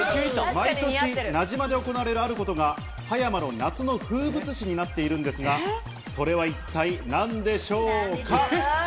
毎年、名島で行われるあることが、葉山の夏の風物詩になっているのですが、それは一体何でしょうか。